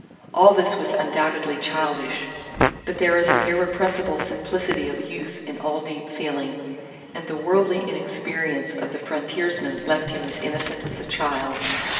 All this was undoubtedly childish but there is an irrepressible simplicity of youth in all deep feeling, and the worldly inexperience of the frontiersman left him as innocent as a child.